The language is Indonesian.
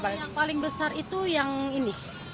yang paling besar itu yang ini